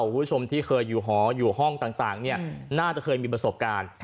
คุณผู้ชมที่เคยอยู่หออยู่ห้องต่างน่าจะเคยมีประสบการณ์